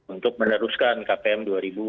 untuk meneruskan kpm dua ribu dua puluh